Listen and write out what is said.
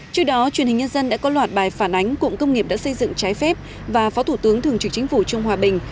trước đó truyền hình nhân dân đã có loạt bài phản ánh cụm công nghiệp đã xây dựng trái phép và phó thủ tướng thường trực chính phủ trung hòa bình